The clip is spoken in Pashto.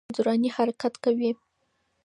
تاريخ ولي دوراني حرکت کوي؟